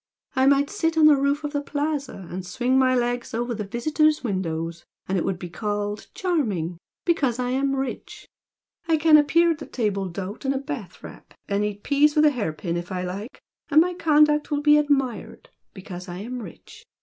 I might sit on the roof of the Plaza and swing my legs over the visitors' windows and it would be called 'charming' because I am rich! I can appear at the table d'hote in a bath wrap and eat peas with a hair pin if I like and my conduct will be admired, because I am rich!